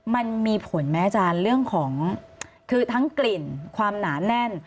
มันมีผลไหมอาจารย์เรื่องของคือทั้งกลิ่นความหนาแน่น